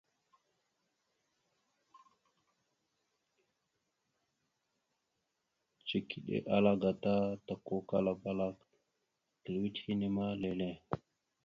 Cikiɗe ala gata takukala balak aka lʉwet hine ma lele.